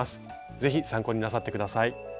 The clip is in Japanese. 是非参考になさって下さい。